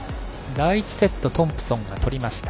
第１セットトンプソンが取りました。